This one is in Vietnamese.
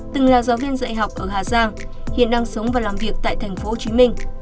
từng là giáo viên dạy học ở hà giang hiện đang sống và làm việc tại tp hcm